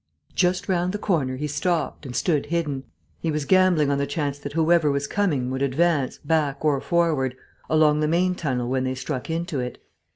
Just round the corner he stopped, and stood hidden. He was gambling on the chance that whoever was coming would advance, back or forward, along the main tunnel when they struck into it.